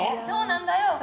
そうなんだよ。